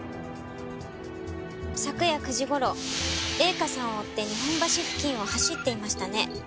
昨夜９時頃礼香さんを追って日本橋付近を走っていましたね。